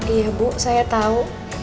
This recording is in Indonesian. iya bu saya tahu